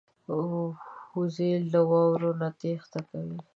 وزې له واورو نه تېښته کوي